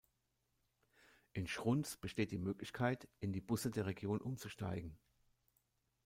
In Schruns besteht die Möglichkeit, in die Busse der Region umzusteigen.